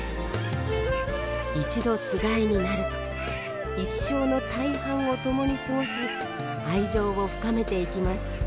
一度つがいになると一生の大半を共に過ごし愛情を深めていきます。